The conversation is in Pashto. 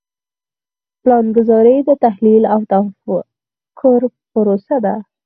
پلانګذاري د تحلیل او تفکر پروسه ده.